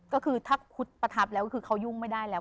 ก็คือถ้าพุทธประทับแล้วคือเขายุ่งไม่ได้แล้ว